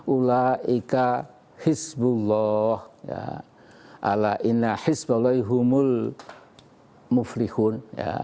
ulaika hisbullah ala inna hisbulayhumul muflihun